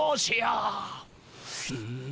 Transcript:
うん。